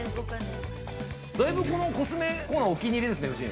◆だいぶ、このコスメコーナーお気に入りですね、夫人。